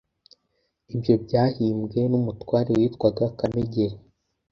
Ibyo byahimbwe n’umutware witwaga Kamegeri.